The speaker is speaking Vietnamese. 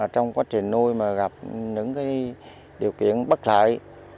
trong quá trình nuôi mà gặp những điều kiện bất lợi